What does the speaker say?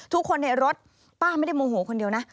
ทุกคนในรถป้าไม่ได้โมโหคนเดียวนะ